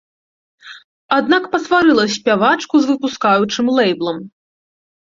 Аднак пасварыла спявачку з выпускаючым лэйблам.